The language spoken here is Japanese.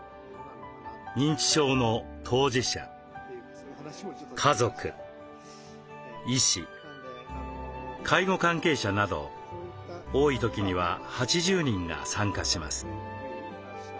認知症の当事者家族医師介護関係者など多い時には８０人が参加します。